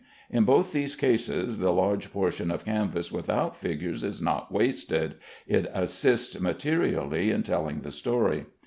In both these cases, the large portion of canvas without figures is not wasted; it assists materially in telling the story.